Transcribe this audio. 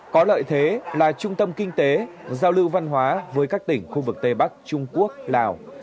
có lợi thế là trung tâm kinh tế giao lưu văn hóa với các tỉnh khu vực tây bắc trung quốc lào